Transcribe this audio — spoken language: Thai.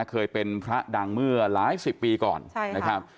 เคยเป็นพระดังเมื่อหลายสิบปีก่อนนะครับ